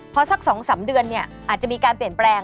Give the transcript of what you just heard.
เพราะสักสองสามเดือนเนี่ยอาจจะมีการเปลี่ยนแปลง